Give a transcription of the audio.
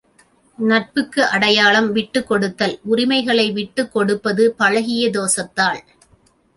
நட்புக்கு அடையாளம் விட்டுக்கொடுத்தல் உரிமைகளை விட்டுக்கொடுப்பது பழகிய தோஷத்தால்.